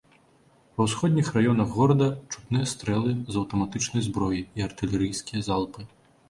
Ва ўсходніх раёнах горада чутныя стрэлы з аўтаматычнай зброі і артылерыйскія залпы.